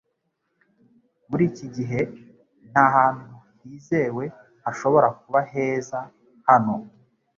Muri iki gihe nta hantu hizewe hashobora kuba heza hano